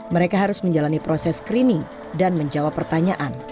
mereka harus menjalani proses screening dan menjawab pertanyaan